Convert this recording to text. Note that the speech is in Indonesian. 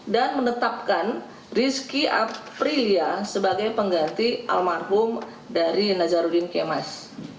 dan menetapkan rizki aprilia sebagai pengganti almarhum dari nazaruddin kemas